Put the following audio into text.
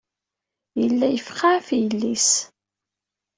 Yella yefqeɛ ɣef yelli-s.